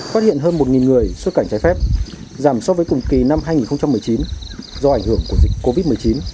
phát hiện hơn một người xuất cảnh trái phép giảm so với cùng kỳ năm hai nghìn một mươi chín do ảnh hưởng của dịch covid một mươi chín